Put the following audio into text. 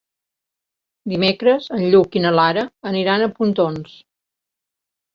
Dimecres en Lluc i na Lara aniran a Pontons.